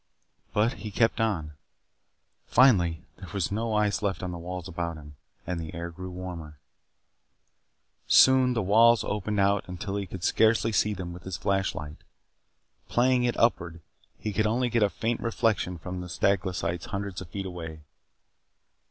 But he kept on. Finally, there was no ice left on the walls about him. The air grew warmer. Soon the walls opened out until he could scarcely see them with his flashlight. Playing it upward he could only get a faint reflection from the stalactites hundreds of feet away.